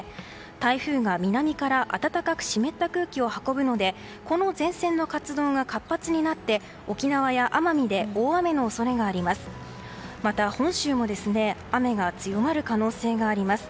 台風が南から暖かく湿った空気を運ぶのでこの前線の活動が活発になって沖縄や奄美で大雨の恐れがあります。